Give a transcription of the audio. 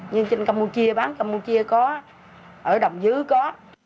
nhưng trên campuchia bán campuchia có ở đồng dứ có